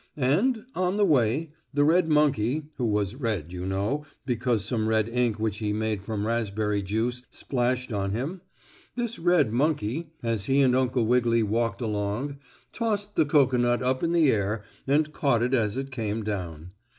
And, on the way, the red monkey who was red, you know, because some red ink which he made from raspberry juice splashed on him this red monkey, as he and Uncle Wiggily walked along, tossed the cocoanut up in the air and caught it as it came down.